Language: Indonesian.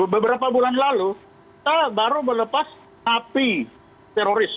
beberapa bulan lalu kita baru melepas napi teroris